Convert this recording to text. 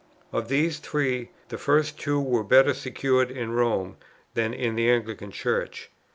Of these three, the first two were better secured in Rome than in the Anglican Church.